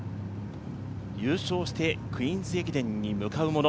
優勝してクイーンズ駅伝に向かう者